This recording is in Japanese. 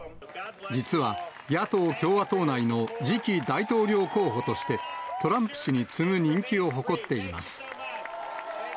実は野党・共和党内の次期大統領候補として、トランプ氏に次ぐ人気を誇っています。